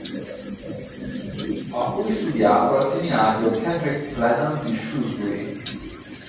Ha poi studiato al seminario Kenrick-Glennon di Shrewsbury.